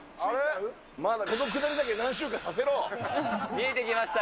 見えてきました。